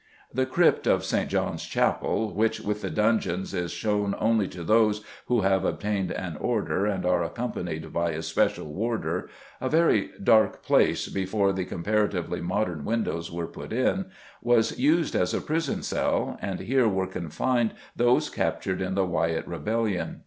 The crypt of St. John's Chapel (which, with the dungeons, is shown only to those who have obtained an order and are accompanied by a special warder), a very dark place before the comparatively modern windows were put in, was used as a prison cell, and here were confined those captured in the Wyatt rebellion.